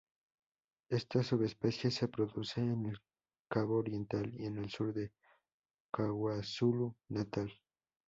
Esta subespecie se produce en el Cabo Oriental y el sur de KwaZulu-Natal.